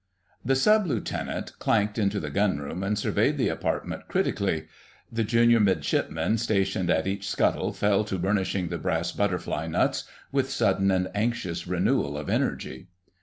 * The Sub Lieutenant clanked into the Gunroom and surveyed the apartment critically. The Junior Midshipmen stationed at each scuttle fell to burnishing the brass butterfly nuts with sudden and anxious renewal of energy.